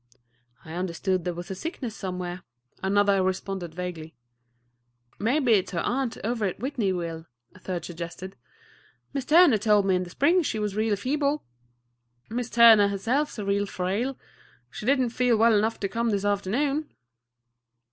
"I understood there was sickness somewhere," another responded vaguely. "Maybe it's her aunt over at Whitneyville," a third suggested. "Mis' Turner told me in the spring she was real feeble." "Mis' Turner herself 's real frail. She did n't feel well enough to come this afternoon."